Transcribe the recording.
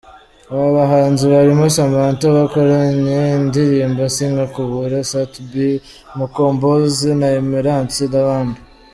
Aba bahanzi barimo Samantha bakoranye indirimbo “Sinkakubure”, Sat-B, Mukombozi na Emerance n’abandi.